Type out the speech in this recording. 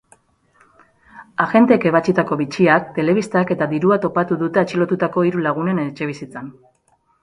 Agenteek ebatsitako bitxiak, telebistak eta dirua topatu dute atxilotutako hiru lagunen etxebizitzan.